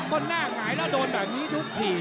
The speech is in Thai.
ก็หน้าหงายแล้วโดนแบบนี้ทุกที